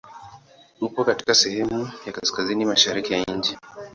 Upo katika sehemu ya kaskazini mashariki ya nchi.